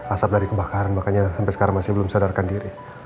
asap dari kebakaran makanya sampai sekarang masih belum sadarkan diri